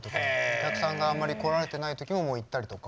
お客さんがあまり来られてないときも行ったりとか。